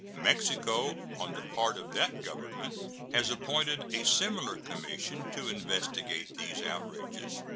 Mexico, on the part of that Government, has appointed a similar commission to investigate these outrages.